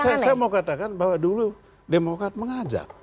jadi beda saya mau katakan bahwa dulu demokrat mengajak